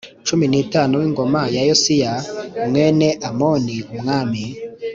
cumi n itatu w ingoma ya Yosiya a mwene Amoni umwami